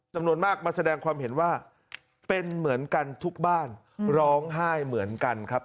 จำนวนมากมาแสดงความเห็นว่าเป็นเหมือนกันทุกบ้านร้องไห้เหมือนกันครับ